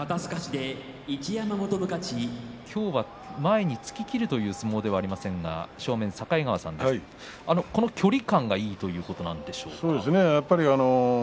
今日は前に突ききるという相撲ではありませんが正面、境川さん距離感がいいということなんですね。